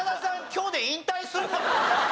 今日で引退するの？